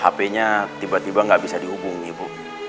hpnya tiba tiba gak bisa dihubungin ibu